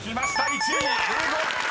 １位「英語」］